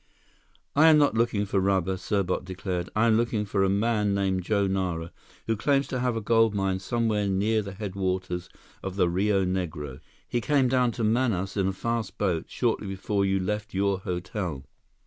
"I am not looking for rubber," Serbot declared. "I am looking for a man named Joe Nara, who claims to have a gold mine somewhere near the headwaters of the Rio Negro. He came down to Manaus in a fast boat shortly before you left your hotel."